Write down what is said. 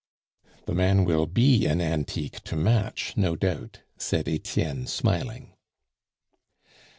"The man will be an antique to match, no doubt," said Etienne, smiling.